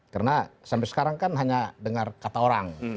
karena sampai sekarang kan hanya dengar kata orang